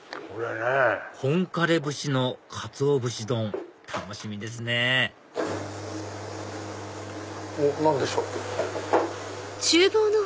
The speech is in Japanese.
本枯れ節のかつお節丼楽しみですね何でしょう？